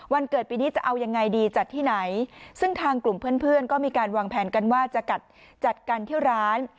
เกิดปีนี้จะเอายังไงดีจัดที่ไหนซึ่งทางกลุ่มเพื่อนเพื่อนก็มีการวางแผนกันว่าจะกัดจัดกันที่ร้าน